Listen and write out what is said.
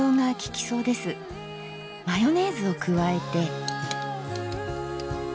マヨネーズを加えて。